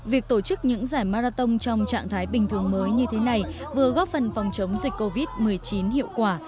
việc tổ chức những giải marathon trong trạng thái bình thường mới như thế này vừa góp phần phòng chống dịch covid một mươi chín hiệu quả